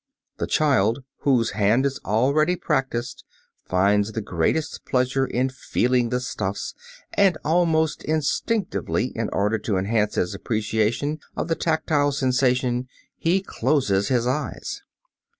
The child whose hand is already practised finds the greatest pleasure in feeling the stuffs, and, almost instinctively, in order to enhance his appreciation of the tactile sensation he closes his eyes.